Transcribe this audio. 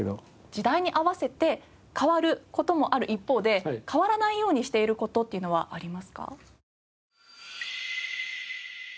時代に合わせて変わる事もある一方で変わらないようにしている事っていうのはありますか？